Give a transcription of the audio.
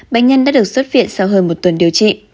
bệnh nhân đã được xuất viện sau hơn một tuần điều trị